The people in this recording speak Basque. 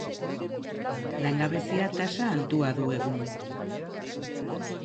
Langabezia-tasa altua du egun.